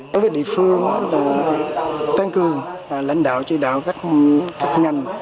đối với địa phương tăng cường lãnh đạo chỉ đạo các ngành